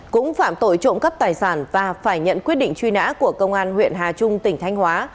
cũng phạm tội trộm cắp tài sản và phải nhận quyết định truy nã của công an huyện hà trung tỉnh thanh hóa